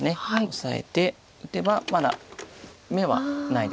オサえて打てばまだ眼はないです。